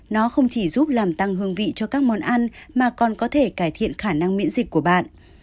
nó không chỉ giúp làm tăng hương vị cho các món ăn mà còn có thể cải thiện khả năng miễn dịch của bạn